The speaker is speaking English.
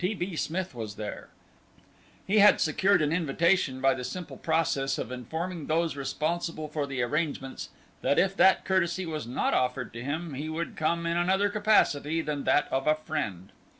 T. B. Smith was there. He had secured an invitation by the simple process of informing those responsible for the arrangements that if that courtesy was not offered to him he would come in another capacity than that of a friend.